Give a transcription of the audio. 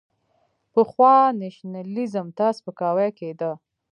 پخوا نېشنلېزم ته سپکاوی کېده.